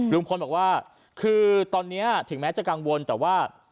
ลุงพลบอกว่าคือตอนนี้ถึงแม้จะกังวลแต่ว่า